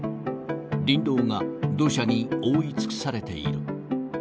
林道が土砂に覆い尽くされている。